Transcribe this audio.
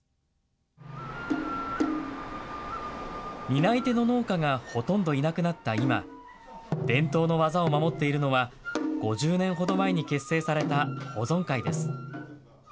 担い手の農家がほとんどいなくなった今、伝統の技を守っているのは、５０年ほど前に結成された保存会です。